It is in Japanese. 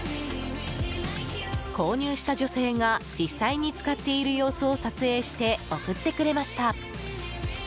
購入した女性が実際に使っている様子を撮影して送ってくれました。